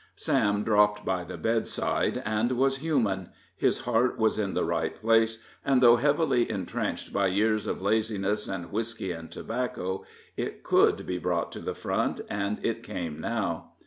Sam dropped by the bedside, and was human; his heart was in the right place; and though heavily intrenched by years of laziness and whisky and tobacco, it could be brought to the front, and it came now.